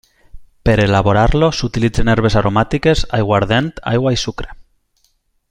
Per elaborar-lo s'utilitzen herbes aromàtiques, aiguardent, aigua i sucre.